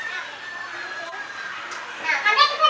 น้องน้องได้อยู่ทั้งส่วน